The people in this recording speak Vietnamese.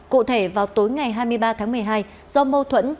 cụ thể vào tối ngày hai mươi ba tháng một mươi hai do mâu thuẫn